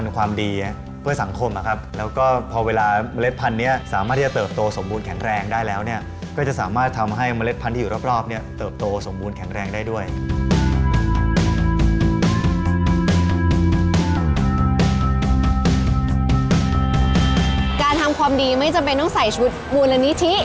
การทำความดีไม่จำเป็นต้องใส่ชุดมูลนิธิ